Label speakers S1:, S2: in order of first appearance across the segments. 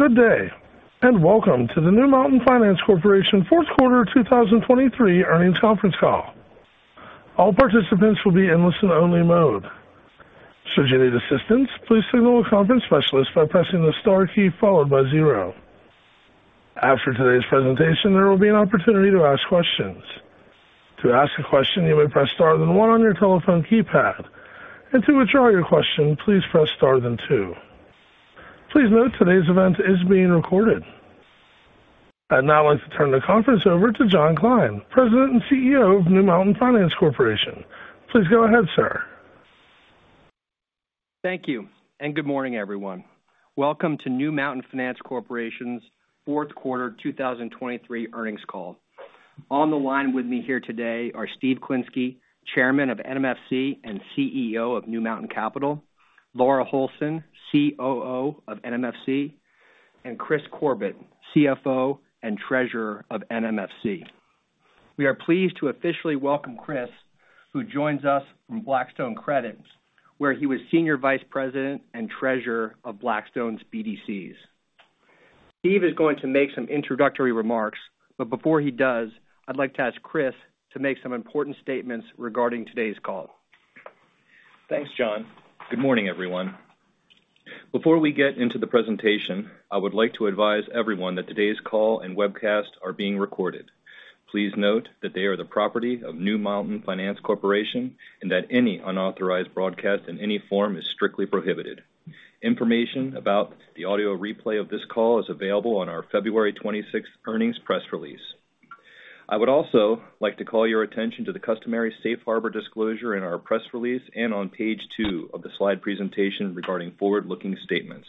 S1: Good day, and welcome to the New Mountain Finance Corporation Fourth Quarter 2023 Earnings Conference Call. All participants will be in listen-only mode. Should you need assistance, please signal a conference specialist by pressing the star key followed by zero. After today's presentation, there will be an opportunity to ask questions. To ask a question, you may press star then one on your telephone keypad, and to withdraw your question, please press star then two. Please note today's event is being recorded. I'd now like to turn the conference over to John Kline, President and CEO of New Mountain Finance Corporation. Please go ahead, sir.
S2: Thank you, and good morning, everyone. Welcome to New Mountain Finance Corporation's fourth quarter 2023 earnings call. On the line with me here today are Steve Klinsky, Chairman of NMFC and CEO of New Mountain Capital, Laura Holson, COO of NMFC, and Kris Corbett, CFO and Treasurer of NMFC. We are pleased to officially welcome Kris, who joins us from Blackstone Credit, where he was Senior Vice President and Treasurer of Blackstone's BDCs. Steve is going to make some introductory remarks, but before he does, I'd like to ask Kris to make some important statements regarding today's call.
S3: Thanks, John. Good morning, everyone. Before we get into the presentation, I would like to advise everyone that today's call and webcast are being recorded. Please note that they are the property of New Mountain Finance Corporation, and that any unauthorized broadcast in any form is strictly prohibited. Information about the audio replay of this call is available on our February 26th, earnings press release. I would also like to call your attention to the customary safe harbor disclosure in our press release and on page two of the slide presentation regarding forward-looking statements.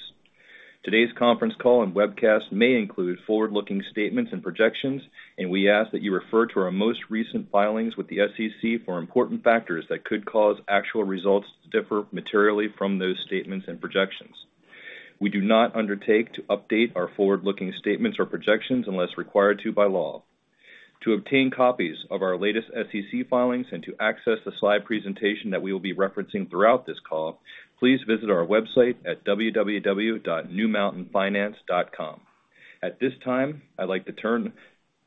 S3: Today's conference call and webcast may include forward-looking statements and projections, and we ask that you refer to our most recent filings with the SEC for important factors that could cause actual results to differ materially from those statements and projections. We do not undertake to update our forward-looking statements or projections unless required to by law. To obtain copies of our latest SEC filings and to access the slide presentation that we will be referencing throughout this call, please visit our website at www.newmountainfinance.com. At this time, I'd like to turn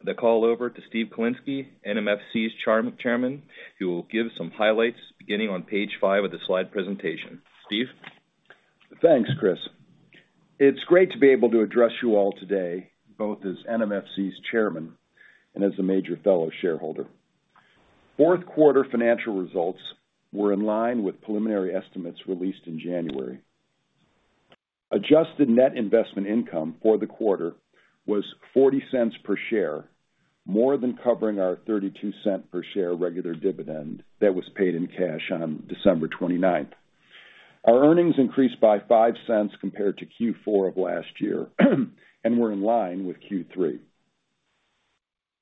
S3: the call over to Steve Klinsky, NMFC's Chairman, who will give some highlights beginning on page five of the slide presentation. Steve?
S4: Thanks, Kris. It's great to be able to address you all today, both as NMFC's chairman and as a major fellow shareholder. Fourth quarter financial results were in line with preliminary estimates released in January. Adjusted net investment income for the quarter was $0.40 per share, more than covering our $0.32 per share regular dividend that was paid in cash on December 29. Our earnings increased by $0.05 compared to Q4 of last year, and we're in line with Q3.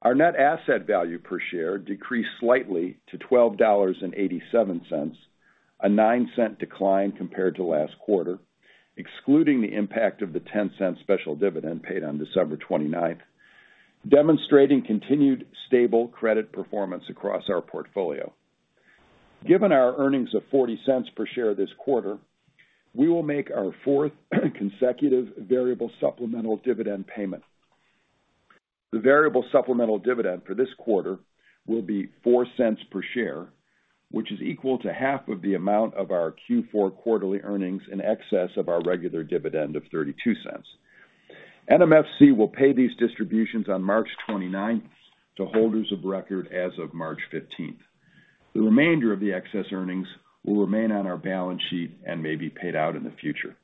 S4: Our net asset value per share decreased slightly to $12.87, a $0.09 decline compared to last quarter, excluding the impact of the $0.10 special dividend paid on December 29, demonstrating continued stable credit performance across our portfolio. Given our earnings of $0.40 per share this quarter, we will make our fourth consecutive variable supplemental dividend payment. The variable supplemental dividend for this quarter will be $0.04 per share, which is equal to half of the amount of our Q4 quarterly earnings in excess of our regular dividend of $0.32. NMFC will pay these distributions on March 29th, to holders of record as of March 15th. The remainder of the excess earnings will remain on our balance sheet and may be paid out in the future.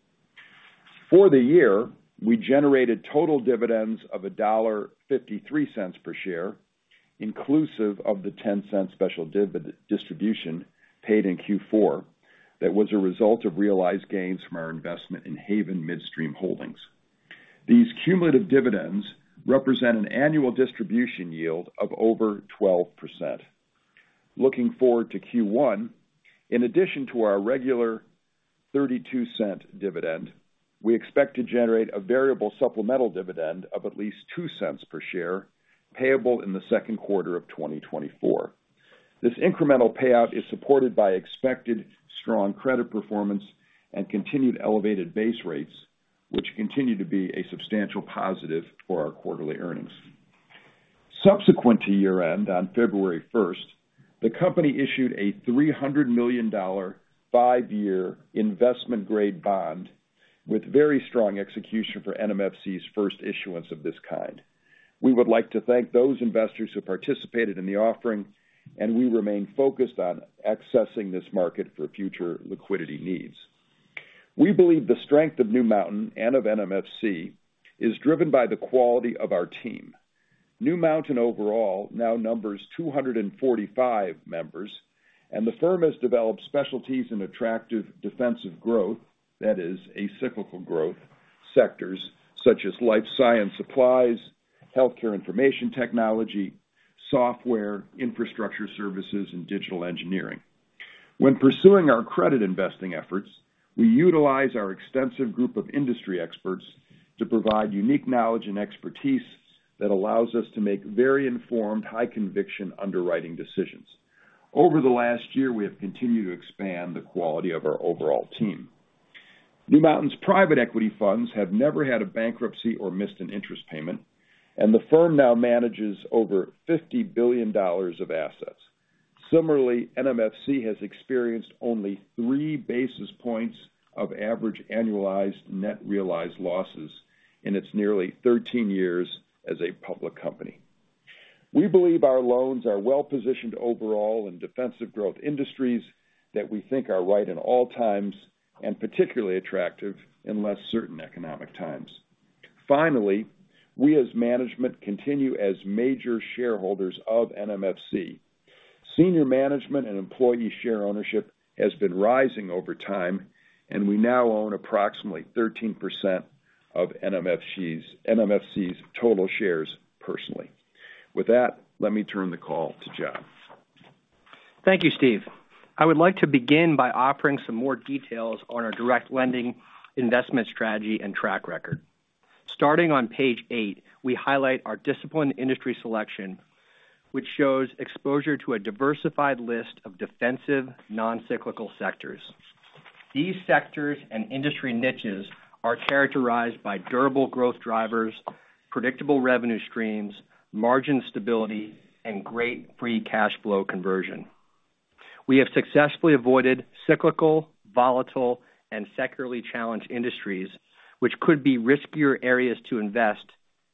S4: For the year, we generated total dividends of $1.53 per share, inclusive of the $0.10 special distribution paid in Q4 that was a result of realized gains from our investment in Havens Midstream Holdings. These cumulative dividends represent an annual distribution yield of over 12%. Looking forward to Q1, in addition to our regular $0.32 dividend, we expect to generate a variable supplemental dividend of at least $0.02 per share, payable in the second quarter of 2024. This incremental payout is supported by expected strong credit performance and continued elevated base rates, which continue to be a substantial positive for our quarterly earnings. Subsequent to year-end, on February 1st, the company issued a $300 million five-year investment-grade bond with very strong execution for NMFC's first issuance of this kind. We would like to thank those investors who participated in the offering, and we remain focused on accessing this market for future liquidity needs. We believe the strength of New Mountain and of NMFC is driven by the quality of our team. New Mountain overall now numbers 245 members, and the firm has developed specialties in attractive defensive growth, that is, acyclical growth sectors such as life science supplies, healthcare information technology, software, infrastructure services, and digital engineering. When pursuing our credit investing efforts, we utilize our extensive group of industry experts to provide unique knowledge and expertise that allows us to make very informed, high-conviction underwriting decisions. Over the last year, we have continued to expand the quality of our overall team. New Mountain's private equity funds have never had a bankruptcy or missed an interest payment, and the firm now manages over $50 billion of assets. Similarly, NMFC has experienced only three basis points of average annualized net realized losses in its nearly 13 years as a public company. We believe our loans are well-positioned overall in defensive growth industries that we think are right at all times and particularly attractive in less certain economic times. Finally, we as management, continue as major shareholders of NMFC. Senior management and employee share ownership has been rising over time, and we now own approximately 13% of NMFC's total shares personally. With that, let me turn the call to John.
S2: Thank you, Steve. I would like to begin by offering some more details on our direct lending investment strategy and track record. Starting on page eight, we highlight our disciplined industry selection, which shows exposure to a diversified list of defensive, non-cyclical sectors. These sectors and industry niches are characterized by durable growth drivers, predictable revenue streams, margin stability, and great free cash flow conversion. We have successfully avoided cyclical, volatile, and secularly challenged industries, which could be riskier areas to invest,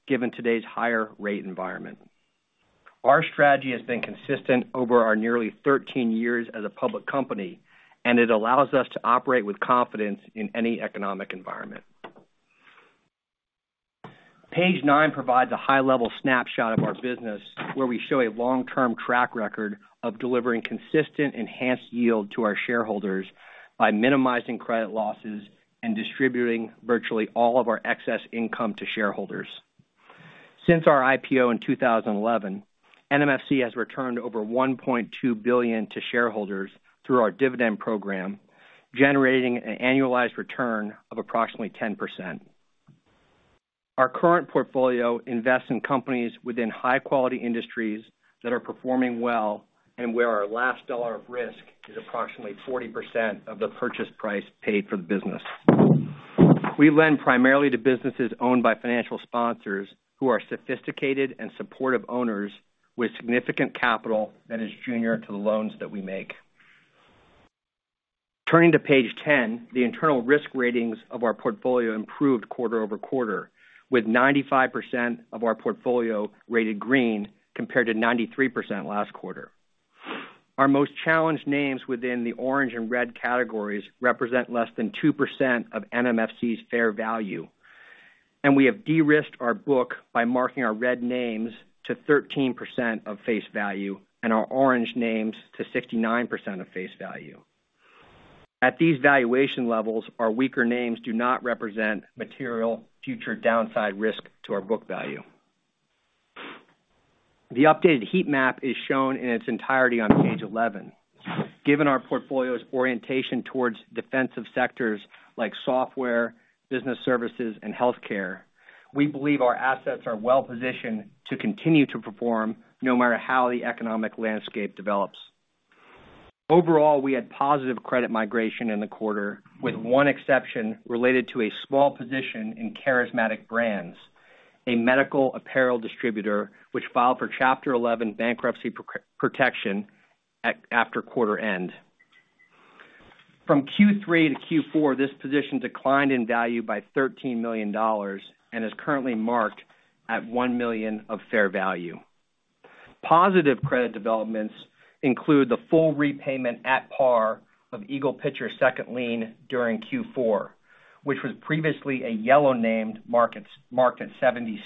S2: given today's higher rate environment. Our strategy has been consistent over our nearly 13 years as a public company, and it allows us to operate with confidence in any economic environment. Page nine provides a high-level snapshot of our business, where we show a long-term track record of delivering consistent, enhanced yield to our shareholders by minimizing credit losses and distributing virtually all of our excess income to shareholders. Since our IPO in 2011, NMFC has returned over $1.2 billion to shareholders through our dividend program, generating an annualized return of approximately 10%. Our current portfolio invests in companies within high-quality industries that are performing well and where our last dollar of risk is approximately 40% of the purchase price paid for the business. We lend primarily to businesses owned by financial sponsors who are sophisticated and supportive owners with significant capital that is junior to the loans that we make. Turning to page 10, the internal risk ratings of our portfolio improved quarter-over-quarter, with 95% of our portfolio rated green, compared to 93% last quarter. Our most challenged names within the orange and red categories represent less than 2% of NMFC's fair value, and we have de-risked our book by marking our red names to 13% of face value and our orange names to 69% of face value. At these valuation levels, our weaker names do not represent material future downside risk to our book value. The updated heat map is shown in its entirety on page 11. Given our portfolio's orientation towards defensive sectors like software, business services, and healthcare, we believe our assets are well-positioned to continue to perform no matter how the economic landscape develops. Overall, we had positive credit migration in the quarter, with one exception related to a small position in Charismatic Brands, a medical apparel distributor, which filed for Chapter 11 bankruptcy protection after quarter end. From Q3 to Q4, this position declined in value by $13 million and is currently marked at $1 million of fair value. Positive credit developments include the full repayment at par of EaglePicher's second lien during Q4, which was previously a yellow name marked at $0.70,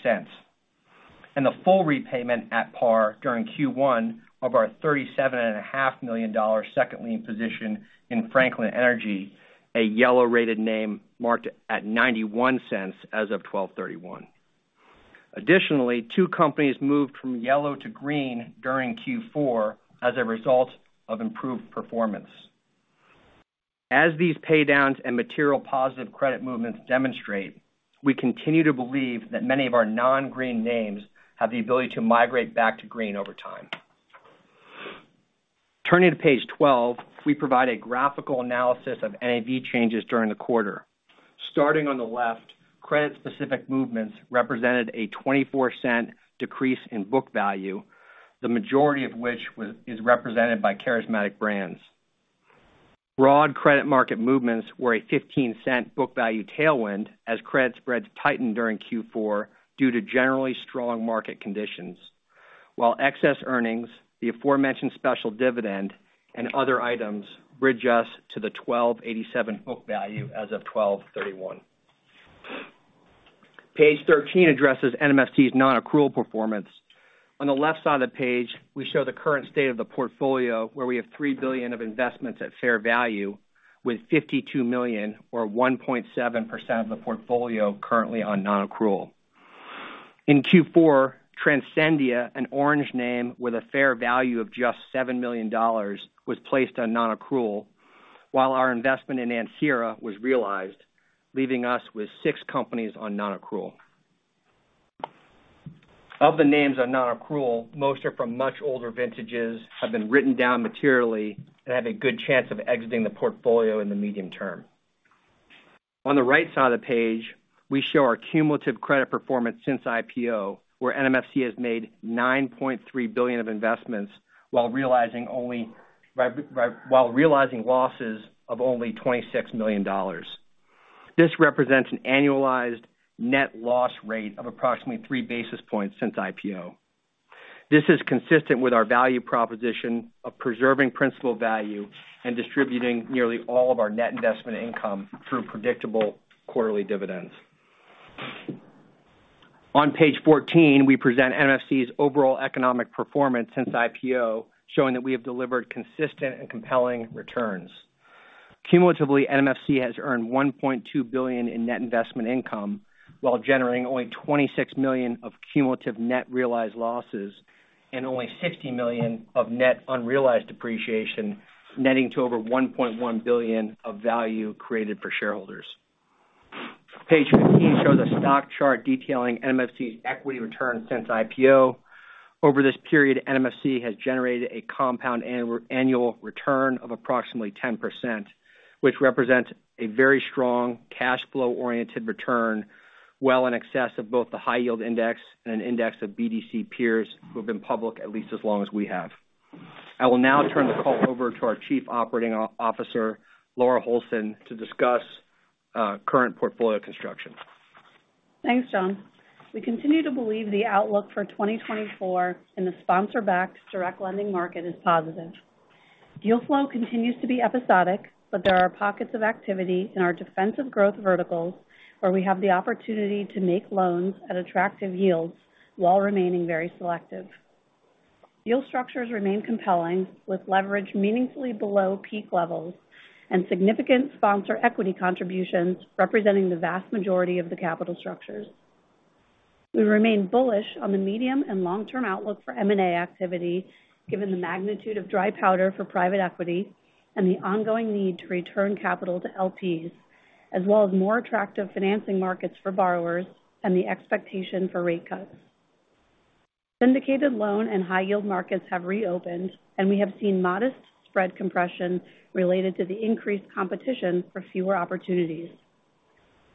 S2: and the full repayment at par during Q1 of our $37.5 million second lien position in Franklin Energy, a yellow-rated name marked at $0.91 as of 12/31. Additionally, two companies moved from yellow to green during Q4 as a result of improved performance. As these paydowns and material positive credit movements demonstrate, we continue to believe that many of our non-green names have the ability to migrate back to green over time. Turning to page 12, we provide a graphical analysis of NAV changes during the quarter. Starting on the left, credit-specific movements represented a $0.24 decrease in book value, the majority of which is represented by Charismatic Brands. Broad credit market movements were a $0.15 book value tailwind as credit spreads tightened during Q4 due to generally strong market conditions, while excess earnings, the aforementioned special dividend, and other items bridge us to the $12.87 book value as of 12/31. Page 13 addresses NMFC's nonaccrual performance. On the left side of the page, we show the current state of the portfolio, where we have $3 billion of investments at fair value, with $52 million, or 1.7% of the portfolio, currently on nonaccrual. In Q4, Transcendia, an orange name with a fair value of just $7 million, was placed on nonaccrual, while our investment in Ancira was realized, leaving us with six companies on nonaccrual. Of the names on nonaccrual, most are from much older vintages, have been written down materially, and have a good chance of exiting the portfolio in the medium term. On the right side of the page, we show our cumulative credit performance since IPO, where NMFC has made $9.3 billion of investments, while realizing losses of only $26 million. This represents an annualized net loss rate of approximately three basis points since IPO. This is consistent with our value proposition of preserving principal value and distributing nearly all of our net investment income through predictable quarterly dividends. On page 14, we present NMFC's overall economic performance since IPO, showing that we have delivered consistent and compelling returns. Cumulatively, NMFC has earned $1.2 billion in net investment income, while generating only $26 million of cumulative net realized losses and only $60 million of net unrealized depreciation, netting to over $1.1 billion of value created for shareholders. Page 15 shows a stock chart detailing NMFC's equity return since IPO. Over this period, NMFC has generated a compound annual return of approximately 10%, which represents a very strong cash flow-oriented return, well in excess of both the high yield index and an index of BDC peers who have been public at least as long as we have. I will now turn the call over to our Chief Operating Officer, Laura Holson, to discuss current portfolio construction.
S5: Thanks, John. We continue to believe the outlook for 2024 in the sponsor-backed direct lending market is positive. Deal flow continues to be episodic, but there are pockets of activity in our defensive growth verticals, where we have the opportunity to make loans at attractive yields while remaining very selective. Deal structures remain compelling, with leverage meaningfully below peak levels and significant sponsor equity contributions representing the vast majority of the capital structures. We remain bullish on the medium and long-term outlook for M&A activity, given the magnitude of dry powder for private equity and the ongoing need to return capital to LPs, as well as more attractive financing markets for borrowers and the expectation for rate cuts. Syndicated loan and high-yield markets have reopened, and we have seen modest spread compression related to the increased competition for fewer opportunities.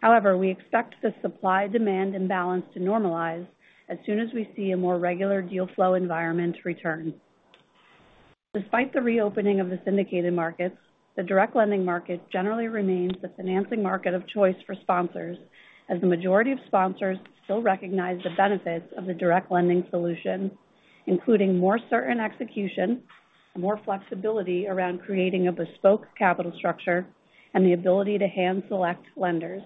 S5: However, we expect the supply-demand imbalance to normalize as soon as we see a more regular deal flow environment return. Despite the reopening of the syndicated markets, the direct lending market generally remains the financing market of choice for sponsors, as the majority of sponsors still recognize the benefits of the direct lending solution, including more certain execution, more flexibility around creating a bespoke capital structure, and the ability to hand-select lenders.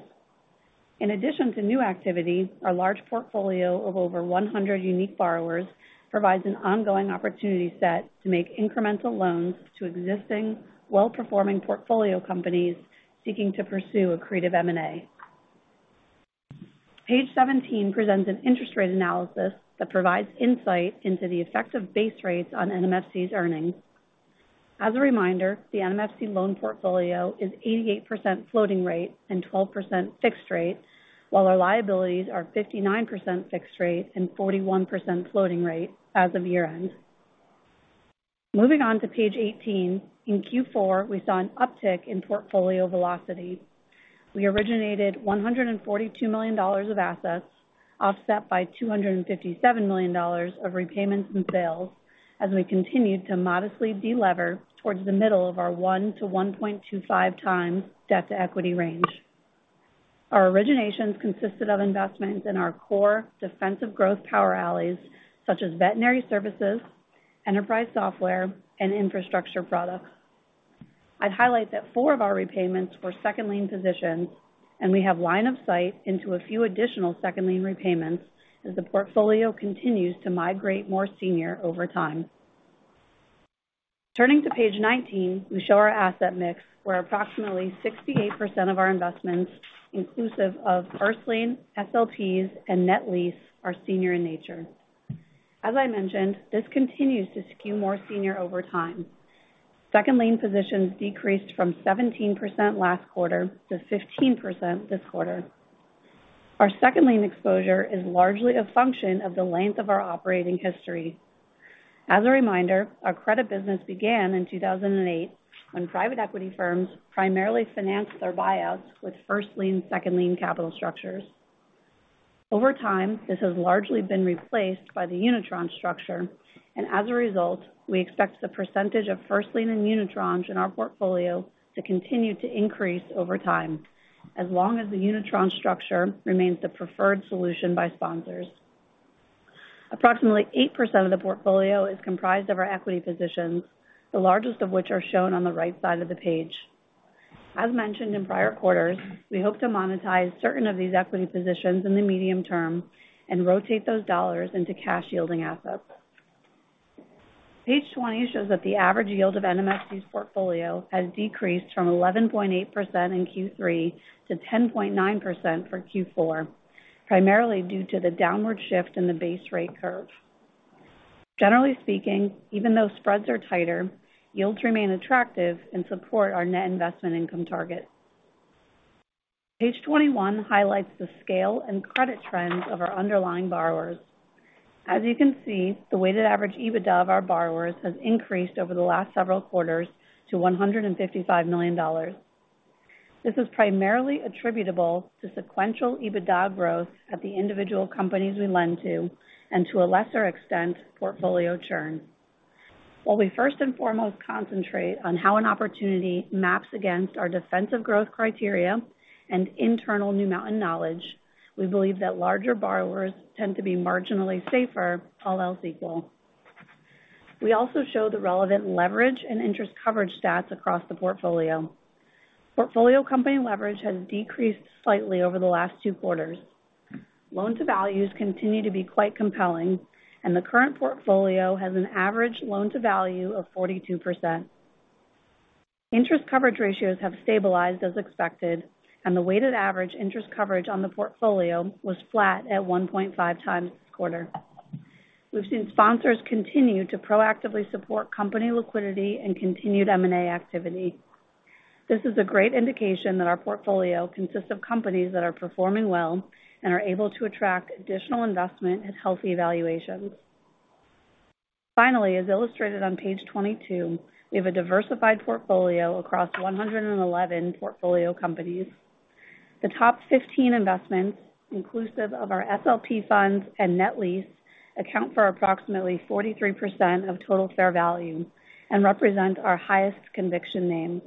S5: In addition to new activity, our large portfolio of over 100 unique borrowers provides an ongoing opportunity set to make incremental loans to existing well-performing portfolio companies seeking to pursue accretive M&A. Page 17 presents an interest rate analysis that provides insight into the effect of base rates on NMFC's earnings. As a reminder, the NMFC loan portfolio is 88% floating rate and 12% fixed rate, while our liabilities are 59% fixed rate and 41% floating rate as of year-end. Moving on to page 18, in Q4, we saw an uptick in portfolio velocity. We originated $142 million of assets, offset by $257 million of repayments and sales, as we continued to modestly delever towards the middle of 1-1.25x debt-to-equity range. Our originations consisted of investments in our core defensive growth power alleys, such as veterinary services, enterprise software, and infrastructure products. I'd highlight that four of our repayments were second lien positions, and we have line of sight into a few additional second lien repayments as the portfolio continues to migrate more senior over time. Turning to page 19, we show our asset mix, where approximately 68% of our investments, inclusive of first lien, SLPs, and net lease, are senior in nature. As I mentioned, this continues to skew more senior over time. Second lien positions decreased from 17% last quarter to 15% this quarter. Our second lien exposure is largely a function of the length of our operating history. As a reminder, our credit business began in 2008, when private equity firms primarily financed their buyouts with first lien, second lien capital structures. Over time, this has largely been replaced by the unitranche structure, and as a result, we expect the percentage of first lien in unitranche in our portfolio to continue to increase over time, as long as the unitranche structure remains the preferred solution by sponsors. Approximately 8% of the portfolio is comprised of our equity positions, the largest of which are shown on the right side of the page. As mentioned in prior quarters, we hope to monetize certain of these equity positions in the medium term and rotate those dollars into cash-yielding assets. Page 20 shows that the average yield of NMFC's portfolio has decreased from 11.8% in Q3 to 10.9% for Q4, primarily due to the downward shift in the base rate curve. Generally speaking, even though spreads are tighter, yields remain attractive and support our net investment income target. Page 21 highlights the scale and credit trends of our underlying borrowers. As you can see, the weighted average EBITDA of our borrowers has increased over the last several quarters to $155 million. This is primarily attributable to sequential EBITDA growth at the individual companies we lend to and, to a lesser extent, portfolio churn. While we first and foremost concentrate on how an opportunity maps against our defensive growth criteria and internal New Mountain knowledge, we believe that larger borrowers tend to be marginally safer, all else equal. We also show the relevant leverage and interest coverage stats across the portfolio. Portfolio company leverage has decreased slightly over the last two quarters. Loan to values continue to be quite compelling, and the current portfolio has an average loan to value of 42%. Interest coverage ratios have stabilized as expected, and the weighted average interest coverage on the portfolio was flat at 1.5x this quarter. We've seen sponsors continue to proactively support company liquidity and continued M&A activity. This is a great indication that our portfolio consists of companies that are performing well and are able to attract additional investment at healthy valuations. Finally, as illustrated on page 22, we have a diversified portfolio across 111 portfolio companies. The top 15 investments, inclusive of our SLP funds and net lease, account for approximately 43% of total fair value and represent our highest conviction names.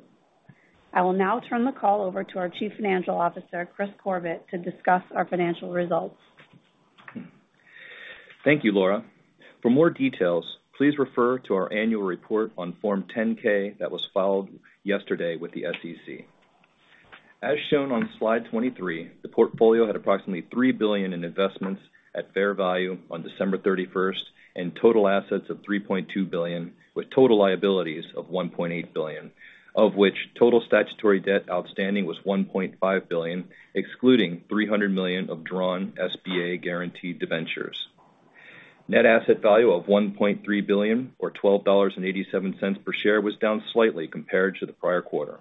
S5: I will now turn the call over to our Chief Financial Officer, Kris Corbett, to discuss our financial results.
S3: Thank you, Laura. For more details, please refer to our annual report on Form 10-K that was filed yesterday with the SEC. As shown on slide 23, the portfolio had approximately $3 billion in investments at fair value on December 31st, and total assets of $3.2 billion, with total liabilities of $1.8 billion, of which total statutory debt outstanding was $1.5 billion, excluding $300 million of drawn SBA guaranteed debentures. Net asset value of $1.3 billion, or $12.87 per share, was down slightly compared to the prior quarter.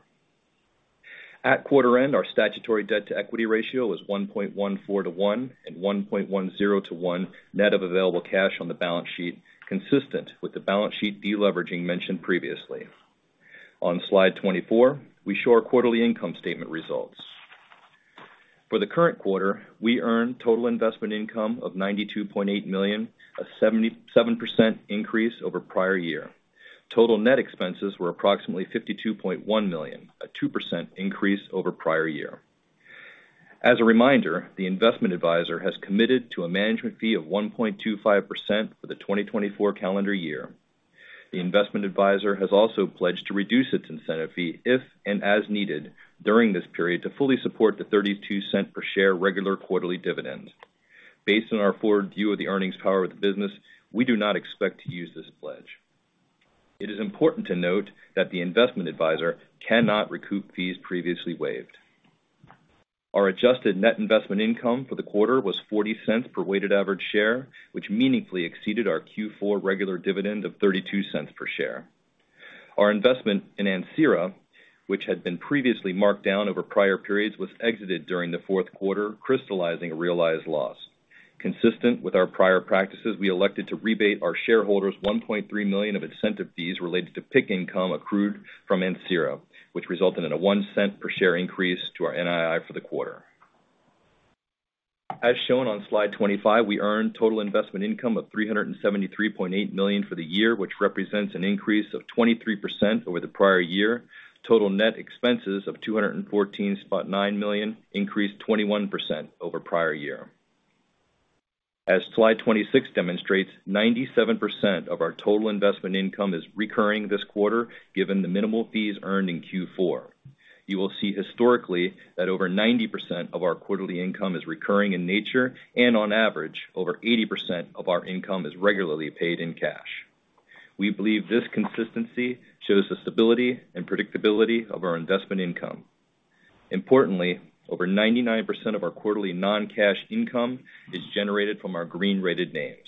S3: At quarter end, our statutory debt-to-equity ratio was 1.14-to-1 and 1.10-to-1 net of available cash on the balance sheet, consistent with the balance sheet deleveraging mentioned previously. On slide 24, we show our quarterly income statement results. For the current quarter, we earned total investment income of $92.8 million, a 77% increase over prior year. Total net expenses were approximately $52.1 million, a 2% increase over prior year. As a reminder, the investment advisor has committed to a management fee of 1.25% for the 2024 calendar year. The investment advisor has also pledged to reduce its incentive fee if and as needed during this period, to fully support the $0.32 per share regular quarterly dividend. Based on our forward view of the earnings power of the business, we do not expect to use this pledge. It is important to note that the investment advisor cannot recoup fees previously waived. Our adjusted net investment income for the quarter was $0.40 per weighted average share, which meaningfully exceeded our Q4 regular dividend of $0.32 per share. Our investment in Ancira, which had been previously marked down over prior periods, was exited during the fourth quarter, crystallizing a realized loss. Consistent with our prior practices, we elected to rebate our shareholders $1.3 million of incentive fees related to PIK income accrued from Ancira, which resulted in a $0.01 per share increase to our NII for the quarter. As shown on slide 25, we earned total investment income of $373.8 million for the year, which represents an increase of 23% over the prior year. Total net expenses of $214.9 million increased 21% over prior year. As slide 26 demonstrates, 97% of our total investment income is recurring this quarter, given the minimal fees earned in Q4. You will see historically that over 90% of our quarterly income is recurring in nature, and on average, over 80% of our income is regularly paid in cash. We believe this consistency shows the stability and predictability of our investment income. Importantly, over 99% of our quarterly non-cash income is generated from our green-rated names.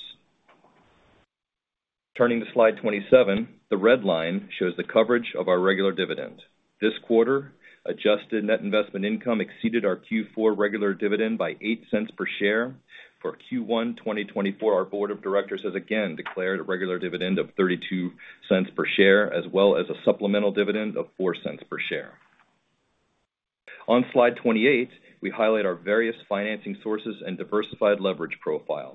S3: Turning to slide 27, the red line shows the coverage of our regular dividend. This quarter, adjusted net investment income exceeded our Q4 regular dividend by $0.08 per share. For Q1 2024, our board of directors has again declared a regular dividend of $0.32 per share, as well as a supplemental dividend of $0.04 per share. On slide 28, we highlight our various financing sources and diversified leverage profile.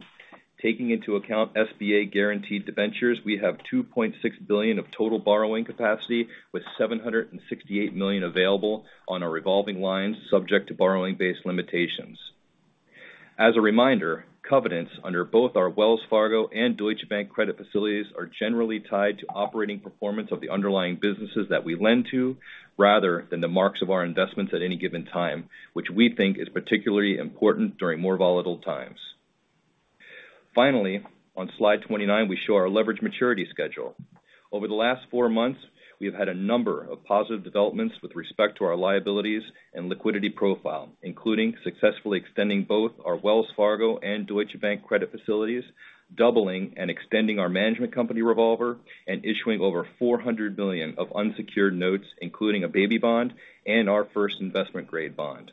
S3: Taking into account SBA guaranteed debentures, we have $2.6 billion of total borrowing capacity, with $768 million available on our revolving lines, subject to borrowing-based limitations. As a reminder, covenants under both our Wells Fargo and Deutsche Bank credit facilities are generally tied to operating performance of the underlying businesses that we lend to, rather than the marks of our investments at any given time, which we think is particularly important during more volatile times. Finally, on slide 29, we show our leverage maturity schedule. Over the last four months, we have had a number of positive developments with respect to our liabilities and liquidity profile, including successfully extending both our Wells Fargo and Deutsche Bank credit facilities, doubling and extending our management company revolver, and issuing over $400 million of unsecured notes, including a baby bond and our first investment-grade bond.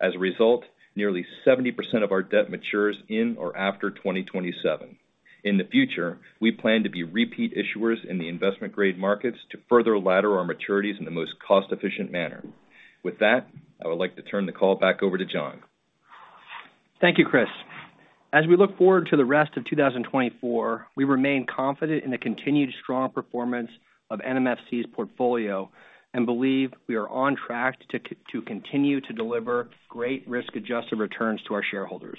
S3: ...As a result, nearly 70% of our debt matures in or after 2027. In the future, we plan to be repeat issuers in the investment-grade markets to further ladder our maturities in the most cost-efficient manner. With that, I would like to turn the call back over to John.
S2: Thank you, Chris. As we look forward to the rest of 2024, we remain confident in the continued strong performance of NMFC's portfolio and believe we are on track to continue to deliver great risk-adjusted returns to our shareholders.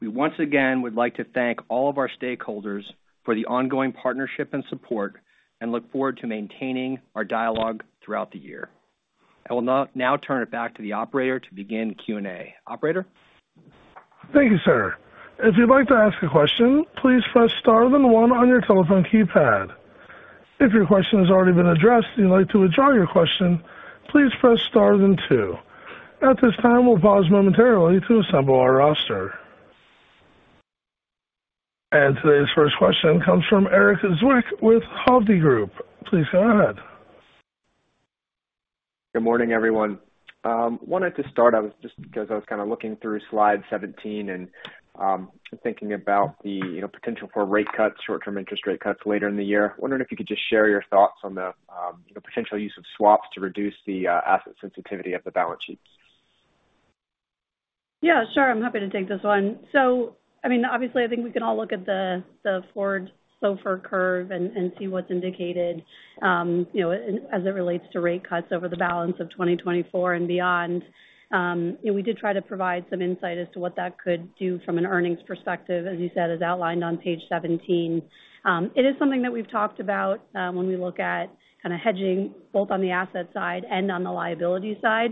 S2: We once again would like to thank all of our stakeholders for the ongoing partnership and support, and look forward to maintaining our dialogue throughout the year. I will now turn it back to the operator to begin the Q&A. Operator?
S1: Thank you, sir. If you'd like to ask a question, please press star then one on your telephone keypad. If your question has already been addressed, and you'd like to withdraw your question, please press star then two. At this time, we'll pause momentarily to assemble our roster. Today's first question comes from Erik Zwick with Hovde Group. Please go ahead.
S6: Good morning, everyone. Wanted to start out just because I was kind of looking through slide 17 and, thinking about the, you know, potential for rate cuts, short-term interest rate cuts later in the year. Wondering if you could just share your thoughts on the, you know, potential use of swaps to reduce the, asset sensitivity of the balance sheets.
S5: Yeah, sure. I'm happy to take this one. So, I mean, obviously, I think we can all look at the forward SOFR curve and see what's indicated, you know, as it relates to rate cuts over the balance of 2024 and beyond. And we did try to provide some insight as to what that could do from an earnings perspective, as you said, as outlined on page 17. It is something that we've talked about when we look at kind of hedging, both on the asset side and on the liability side.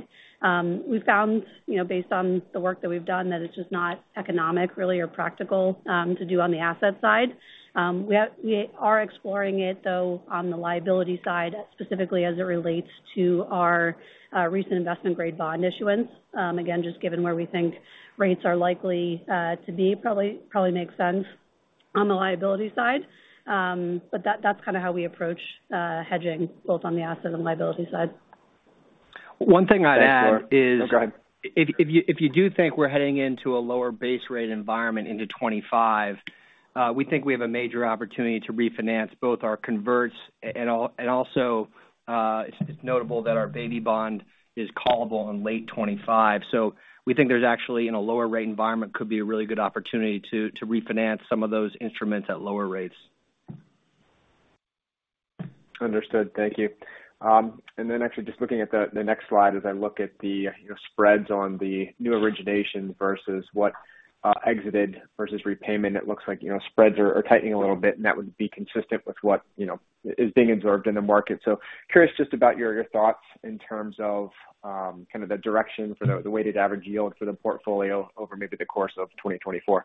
S5: We found, you know, based on the work that we've done, that it's just not economic, really, or practical to do on the asset side. We are exploring it, though, on the liability side, specifically as it relates to our recent investment-grade bond issuance. Again, just given where we think rates are likely to be, probably makes sense on the liability side. But that's kind of how we approach hedging, both on the asset and liability side.
S2: One thing I'd add is-
S6: Oh, go ahead.
S2: If you, if you do think we're heading into a lower base rate environment into 2025, we think we have a major opportunity to refinance both our converts and al- and also, it's notable that our Baby bond is callable in late 2025. So we think there's actually, in a lower rate environment, could be a really good opportunity to, to refinance some of those instruments at lower rates.
S6: Understood. Thank you. And then actually just looking at the next slide, as I look at the, you know, spreads on the new origination versus what, exited versus repayment, it looks like, you know, spreads are tightening a little bit, and that would be consistent with what, you know, is being absorbed in the market. So curious just about your thoughts in terms of, kind of the direction for the weighted average yield for the portfolio over maybe the course of 2024.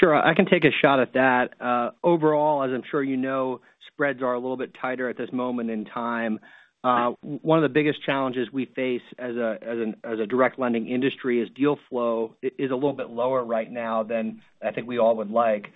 S2: Sure, I can take a shot at that. Overall, as I'm sure you know, spreads are a little bit tighter at this moment in time. One of the biggest challenges we face as a direct lending industry is deal flow is a little bit lower right now than I think we all would like.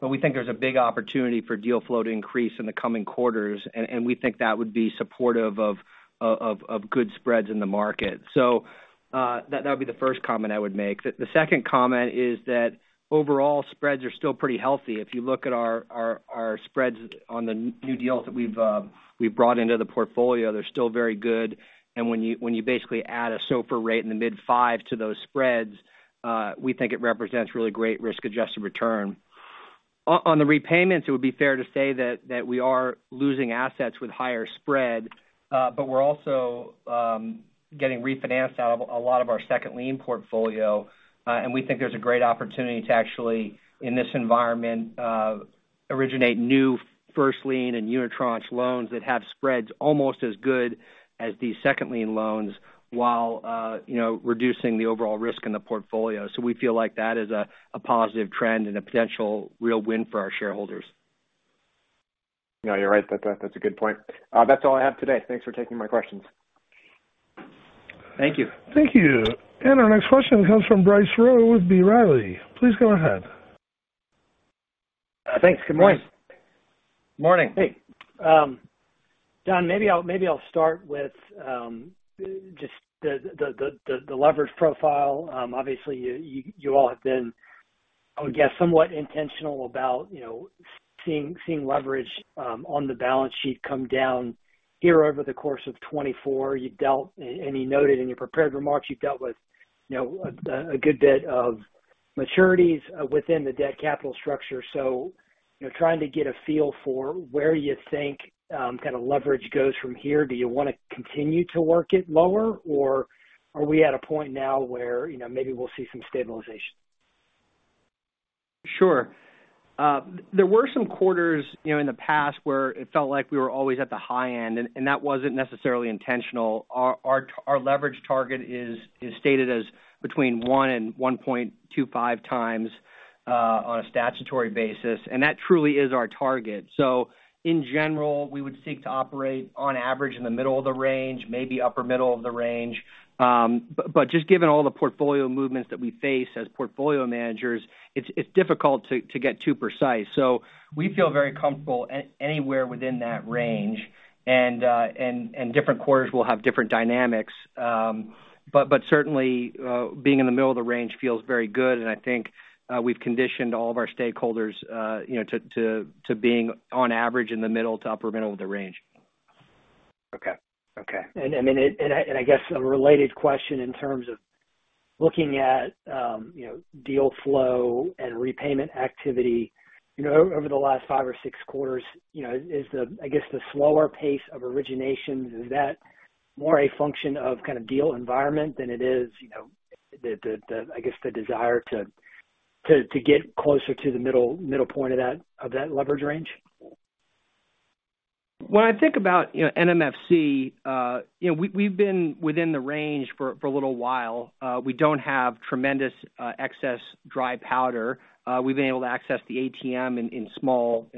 S2: But we think there's a big opportunity for deal flow to increase in the coming quarters, and we think that would be supportive of good spreads in the market. So, that would be the first comment I would make. The second comment is that overall spreads are still pretty healthy. If you look at our spreads on the new deals that we've brought into the portfolio, they're still very good. When you basically add a SOFR rate in the mid-5 to those spreads, we think it represents really great risk-adjusted return. On the repayments, it would be fair to say that we are losing assets with higher spread, but we're also getting refinanced out of a lot of our second lien portfolio. And we think there's a great opportunity to actually, in this environment, originate new first lien and unitranche loans that have spreads almost as good as these second lien loans, while you know, reducing the overall risk in the portfolio. So we feel like that is a positive trend and a potential real win for our shareholders.
S6: No, you're right. That's a, that's a good point. That's all I have today. Thanks for taking my questions.
S2: Thank you.
S1: Thank you. Our next question comes from Bryce Rowe with B. Riley. Please go ahead.
S7: Thanks. Good morning.
S2: Morning.
S7: Hey, John, maybe I'll start with just the leverage profile. Obviously, you all have been, I would guess, somewhat intentional about, you know, seeing leverage on the balance sheet come down here over the course of 2024. And you noted in your prepared remarks, you've dealt with, you know, a good bit of maturities within the debt capital structure. So, you know, trying to get a feel for where you think kind of leverage goes from here. Do you want to continue to work it lower, or are we at a point now where, you know, maybe we'll see some stabilization?
S2: Sure. There were some quarters, you know, in the past, where it felt like we were always at the high end, and that wasn't necessarily intentional. Our leverage target is stated as between 1 and 1.25x, on a statutory basis, and that truly is our target. So in general, we would seek to operate on average in the middle of the range, maybe upper middle of the range. But just given all the portfolio movements that we face as portfolio managers, it's difficult to get too precise. So we feel very comfortable anywhere within that range, and different quarters will have different dynamics. But certainly, being in the middle of the range feels very good, and I think we've conditioned all of our stakeholders, you know, to being on average in the middle to upper middle of the range.
S7: Okay. Okay. And then, I guess a related question in terms of looking at, you know, deal flow and repayment activity, you know, over the last five or six quarters, you know, is the, I guess, the slower pace of originations, is that more a function of kind of deal environment than it is, you know, the, I guess, the desire to get closer to the middle point of that, of that leverage range?
S2: When I think about, you know, NMFC, you know, we, we've been within the range for a little while. We don't have tremendous excess dry powder. We've been able to access the ATM in small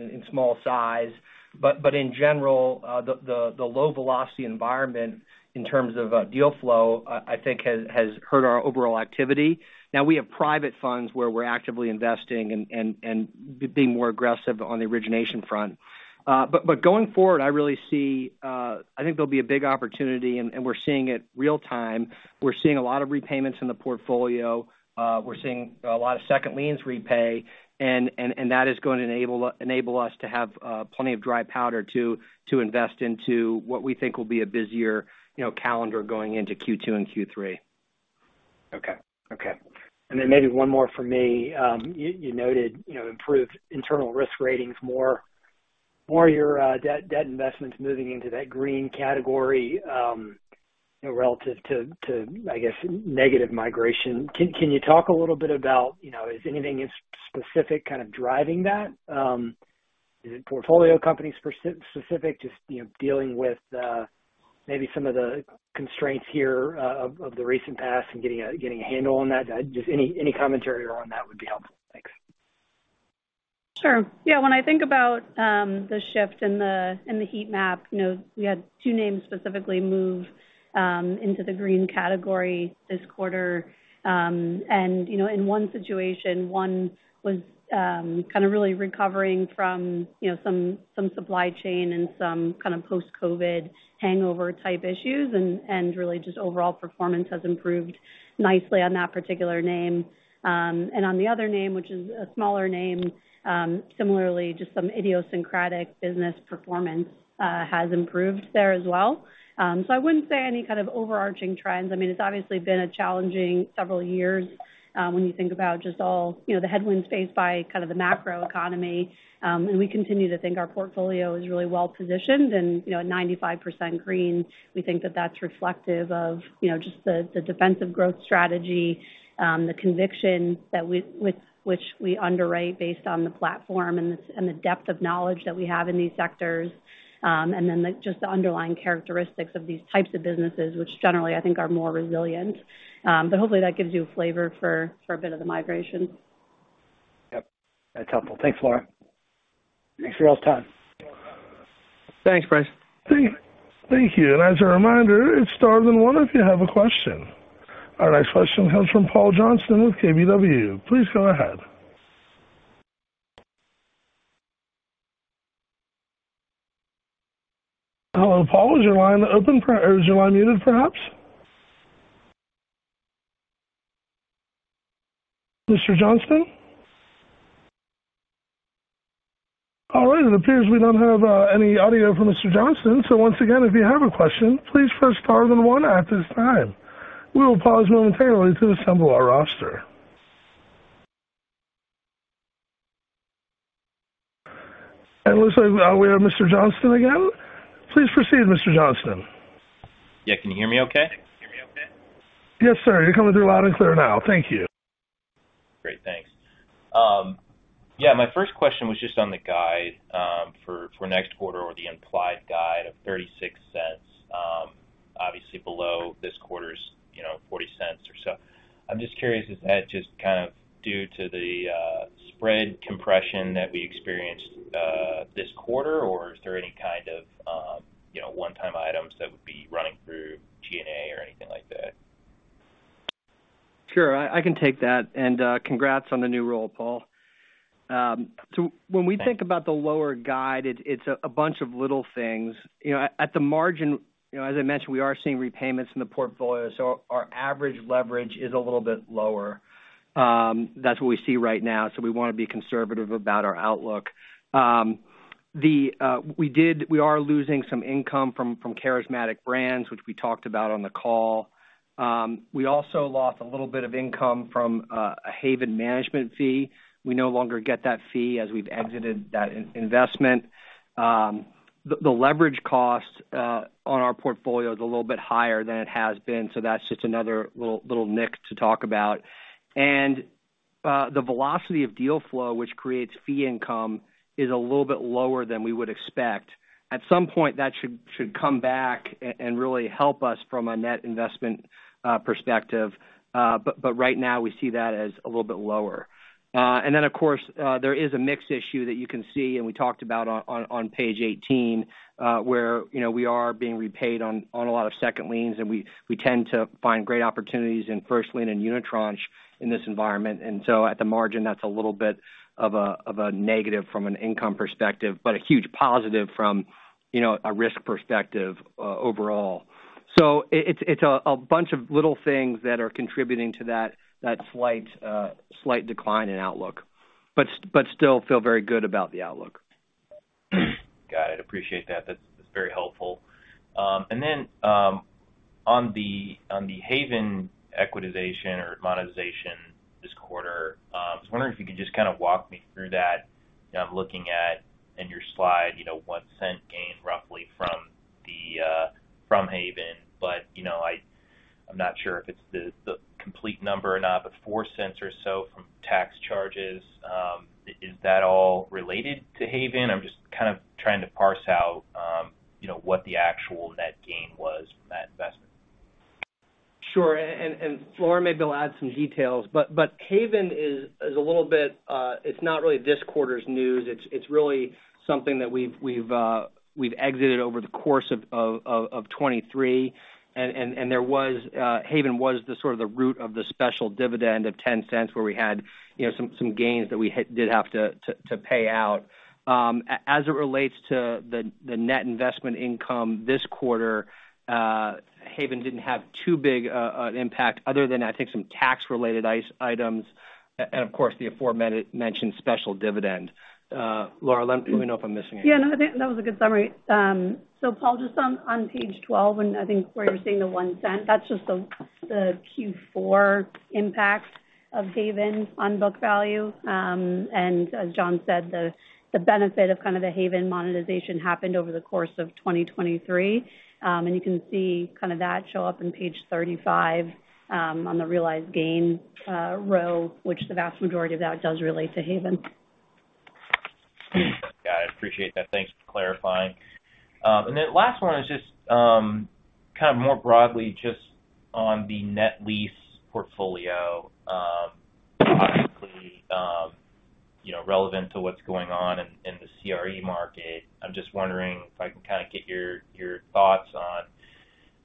S2: size. But in general, the low velocity environment in terms of deal flow, I think has hurt our overall activity. Now, we have private funds where we're actively investing and being more aggressive on the origination front. But going forward, I really see -- I think there'll be a big opportunity, and we're seeing it real time. We're seeing a lot of repayments in the portfolio. We're seeing a lot of second liens repay, and that is going to enable us to have plenty of dry powder to invest into what we think will be a busier, you know, calendar going into Q2 and Q3.
S7: Okay. Okay. And then maybe one more from me. You noted, you know, improved internal risk ratings, more your debt investments moving into that green category, you know, relative to, I guess, negative migration. Can you talk a little bit about, you know, is anything in specific kind of driving that? Is it portfolio companies per-specific just, you know, dealing with maybe some of the constraints here of the recent past and getting a handle on that? Just any commentary on that would be helpful. Thanks.
S5: Sure. Yeah, when I think about the shift in the heat map, you know, we had two names specifically move into the green category this quarter. And, you know, in one situation, one was kind of really recovering from, you know, some supply chain and some kind of post-COVID hangover type issues, and really just overall performance has improved nicely on that particular name. And on the other name, which is a smaller name, similarly, just some idiosyncratic business performance has improved there as well. So I wouldn't say any kind of overarching trends. I mean, it's obviously been a challenging several years, when you think about just all, you know, the headwinds faced by kind of the macro economy. And we continue to think our portfolio is really well positioned. You know, at 95% green, we think that that's reflective of, you know, just the defensive growth strategy, the conviction that which we underwrite based on the platform and the depth of knowledge that we have in these sectors, and then just the underlying characteristics of these types of businesses, which generally, I think, are more resilient. But hopefully that gives you a flavor for a bit of the migration.
S7: Yep, that's helpful. Thanks, Laura. Thanks for your all's time.
S2: Thanks, Bryce.
S1: Thank you. As a reminder, it's star then one if you have a question. Our next question comes from Paul Johnson with KBW. Please go ahead. Hello, Paul, is your line open, or is your line muted, perhaps? Mr. Johnson? All right, it appears we don't have any audio from Mr. Johnson, so once again, if you have a question, please press star then one at this time. We will pause momentarily to assemble our roster. And it looks like we have Mr. Johnson again. Please proceed, Mr. Johnson.
S8: Yeah. Can you hear me okay?
S1: Yes, sir. You're coming through loud and clear now. Thank you.
S8: Great. Thanks. Yeah, my first question was just on the guide for next quarter or the implied guide of $0.36, obviously below this quarter's, you know, $0.40 or so. I'm just curious, is that just kind of due to the spread compression that we experienced this quarter? Or is there any kind of, you know, one-time items that would be running through G&A or anything like that?
S2: Sure, I can take that, and congrats on the new role, Paul. So when we think about the lower guide, it's a bunch of little things. You know, at the margin, you know, as I mentioned, we are seeing repayments in the portfolio, so our average leverage is a little bit lower. That's what we see right now, so we wanna be conservative about our outlook. We are losing some income from Charismatic Brands, which we talked about on the call. We also lost a little bit of income from a Haven management fee. We no longer get that fee as we've exited that investment. The leverage cost on our portfolio is a little bit higher than it has been, so that's just another little nick to talk about. The velocity of deal flow, which creates fee income, is a little bit lower than we would expect. At some point, that should come back and really help us from a net investment perspective. But right now we see that as a little bit lower. And then, of course, there is a mix issue that you can see, and we talked about on page 18, where, you know, we are being repaid on a lot of second liens, and we tend to find great opportunities in first lien and unitranche in this environment. At the margin, that's a little bit of a negative from an income perspective, but a huge positive from, you know, a risk perspective overall. It's a bunch of little things that are contributing to that slight decline in outlook, but still feel very good about the outlook.
S8: Got it. Appreciate that. That's, that's very helpful. And then, on the, on the Haven equitization or monetization this quarter, I was wondering if you could just kind of walk me through that. I'm looking at, in your slide, you know, $0.01 gain roughly from the, from Haven. But, you know, I, I'm not sure if it's the, the complete number or not, but $0.04 or so from tax charges. Is that all related to Haven? I'm just kind of trying to parse out, you know, what the actual net gain was from that investment.
S2: Sure. And Laura, maybe I'll add some details. But Haven is a little bit, it's not really this quarter's news. It's really something that we've exited over the course of 2023. And there was Haven was the sort of the root of the special dividend of $0.10, where we had, you know, some gains that we had to pay out. As it relates to the net investment income this quarter, Haven didn't have too big an impact other than, I think, some tax-related items and of course, the aforementioned special dividend. Laura, let me know if I'm missing anything.
S5: Yeah, no, I think that was a good summary. So Paul, just on, on page 12, and I think where you're seeing the $0.01, that's just the, the Q4 impact of Haven on book value. And as John said, the, the benefit of kind of the Haven monetization happened over the course of 2023. And you can see kind of that show up in page 35, on the realized gain, row, which the vast majority of that does relate to Haven.
S8: Got it. Appreciate that. Thanks for clarifying. And then last one is just kind of more broadly just on the net lease portfolio, obviously you know relevant to what's going on in the CRE market. I'm just wondering if I can kind of get your thoughts on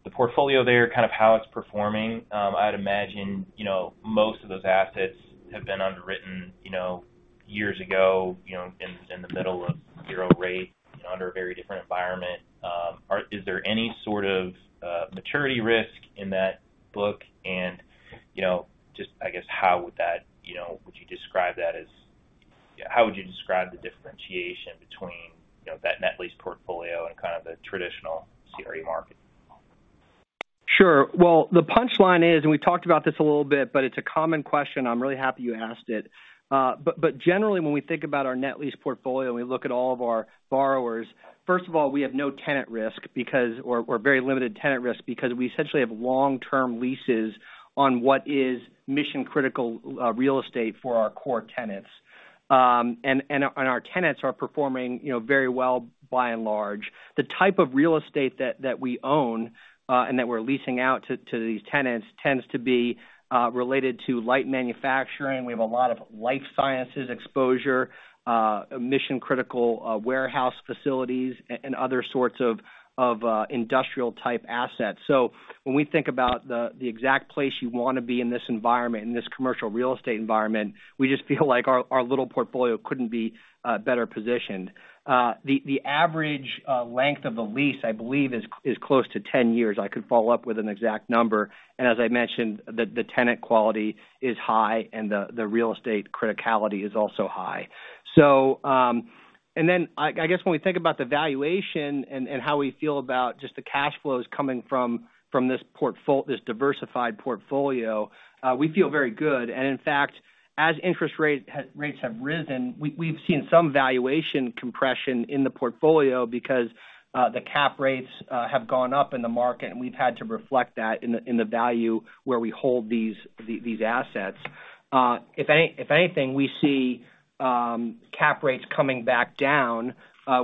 S8: the portfolio there, kind of how it's performing. I'd imagine you know most of those assets have been underwritten you know years ago you know in the middle of zero rate under a very different environment. Is there any sort of maturity risk in that book? And you know just I guess how would that... You know would you describe that as—how would you describe the differentiation between you know that net lease portfolio and kind of the traditional CRE market?
S2: Sure. Well, the punchline is, and we talked about this a little bit, but it's a common question. I'm really happy you asked it. But generally, when we think about our net lease portfolio, and we look at all of our borrowers, first of all, we have no tenant risk because or very limited tenant risk because we essentially have long-term leases on what is mission-critical real estate for our core tenants. And our tenants are performing, you know, very well by and large. The type of real estate that we own and that we're leasing out to these tenants tends to be related to light manufacturing. We have a lot of life sciences exposure, mission-critical warehouse facilities, and other sorts of industrial-type assets. So when we think about the exact place you want to be in this environment, in this commercial real estate environment, we just feel like our little portfolio couldn't be better positioned. The average length of the lease, I believe, is close to 10 years. I could follow up with an exact number. And as I mentioned, the tenant quality is high, and the real estate criticality is also high. So, and then I guess when we think about the valuation and how we feel about just the cash flows coming from this diversified portfolio, we feel very good. In fact, as interest rates have risen, we've seen some valuation compression in the portfolio because the cap rates have gone up in the market, and we've had to reflect that in the value where we hold these assets. If anything, we see cap rates coming back down,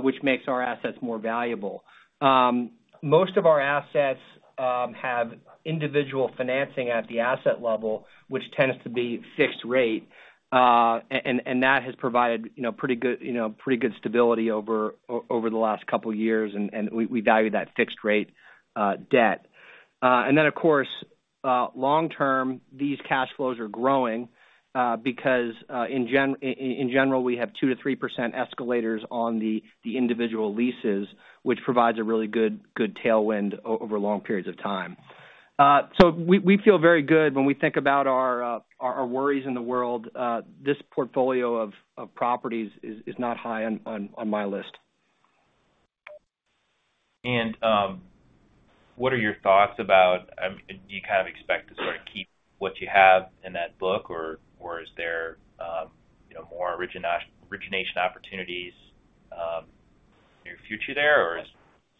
S2: which makes our assets more valuable. Most of our assets have individual financing at the asset level, which tends to be fixed rate. And that has provided, you know, pretty good, you know, pretty good stability over the last couple of years, and we value that fixed rate debt. And then, of course, long term, these cash flows are growing, because in general, we have 2%-3% escalators on the individual leases, which provides a really good tailwind over long periods of time. So we feel very good when we think about our worries in the world. This portfolio of properties is not high on my list.
S8: What are your thoughts about, do you kind of expect to sort of keep what you have in that book, or is there, you know, more origination opportunities in your future there? Or is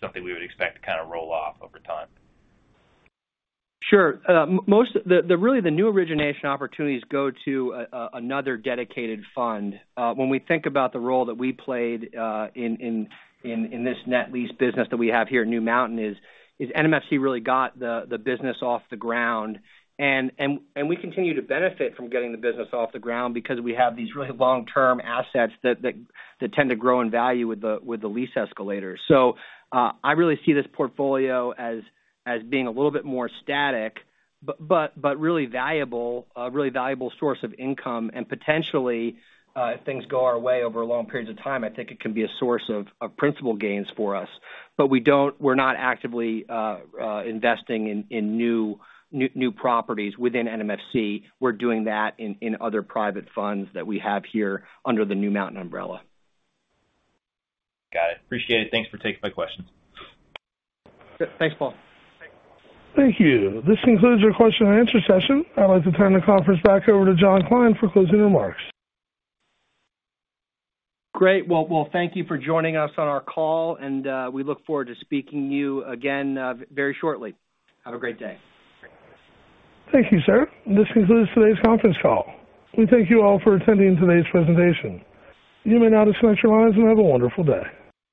S8: something we would expect to kind of roll off over time?
S2: Sure. Most of the really new origination opportunities go to another dedicated fund. When we think about the role that we played in this Net lease business that we have here at New Mountain, NMFC really got the business off the ground. And we continue to benefit from getting the business off the ground because we have these really long-term assets that tend to grow in value with the lease escalators. So, I really see this portfolio as being a little bit more static, but really valuable, a really valuable source of income, and potentially, if things go our way over long periods of time, I think it can be a source of principal gains for us. But we don't. We're not actively investing in new properties within NMFC. We're doing that in other private funds that we have here under the New Mountain umbrella.
S8: Got it. Appreciate it. Thanks for taking my questions.
S2: Thanks, Paul.
S1: Thank you. This concludes our question and answer session. I'd like to turn the conference back over to John Kline for closing remarks.
S2: Great. Well, thank you for joining us on our call, and we look forward to speaking to you again, very shortly. Have a great day.
S1: Thank you, sir. This concludes today's conference call. We thank you all for attending today's presentation. You may now disconnect your lines and have a wonderful day.